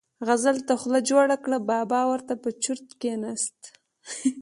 غزل ته خوله جوړه کړه، بابا ور ته په چرت کېناست.